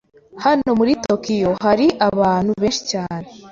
Hano muri Tokiyo hari abantu benshi cyane.